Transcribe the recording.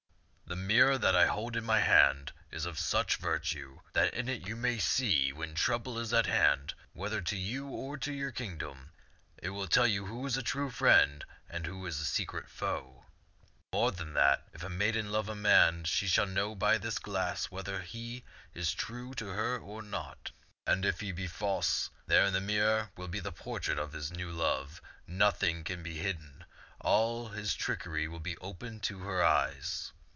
" The mirror that I hold in my hand is of such virtue that in it you may see when trouble is at hand, whether to you or to your kingdom. It will tell you who is a true friend and who is a secret foe. More than that, if a maiden love a man, she shall know by this glass whether he is true to her or not ; and if he be false, there in the mirror will be the portrait of his new love. Nothing can be hidden. All his trickery will be open to her eyes.